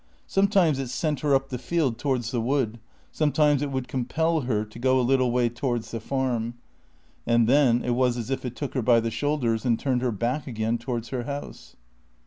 Sometimes it sent her up the field towards the wood; sometimes it would compel her to go a little way towards the Farm; and then it was as if it took her by the shoulders and turned her back again towards her house.